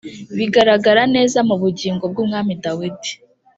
Bigaragara neza mu bugingo bw'umwami Dawidi